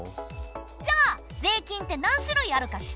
じゃあ税金って何種類あるか知ってる？